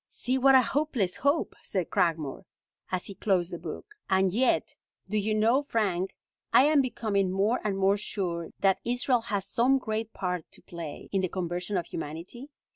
"See what a hopeless hope," said Cragmore, as he closed the book. "And yet do you know, Frank, I am becoming more and more sure that Israel has some great part to play in the conversion of humanity?